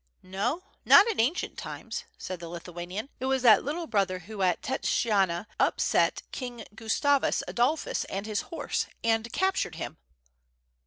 "No, not in ancient times," said the Lithuanian, "it was that little brother who at Tshetstyana upset King Gustavus Adolphus and his horse and captured him."